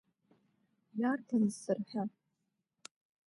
Иарбан ззырҳәа?